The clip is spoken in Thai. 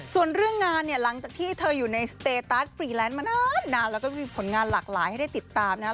ส่วนเรื่องงานเนี่ยหลังจากที่เธออยู่ในสเตตัสฟรีแลนซ์มานานแล้วก็มีผลงานหลากหลายให้ได้ติดตามนะครับ